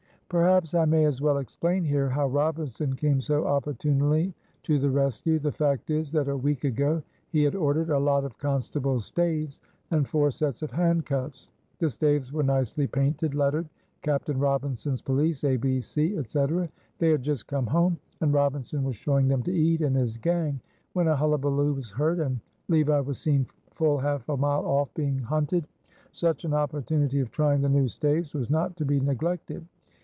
Perhaps I may as well explain here how Robinson came so opportunely to the rescue. The fact is, that a week ago he had ordered a lot of constables' staves and four sets of handcuffs. The staves were nicely painted, lettered "Captain Robinson's Police, A, B, C," etc. They had just come home, and Robinson was showing them to Ede and his gang, when a hullabaloo was heard, and Levi was seen full half a mile off being hunted. Such an opportunity of trying the new staves was not to be neglected.